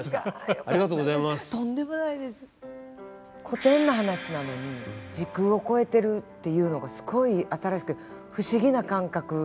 古典の話なのに時空を超えてるっていうのがすごい新しくて不思議な感覚。